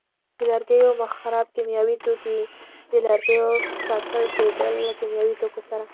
د لرګیو مخرب کیمیاوي توکي: د لرګیو ککړ کېدل له کیمیاوي توکو سره.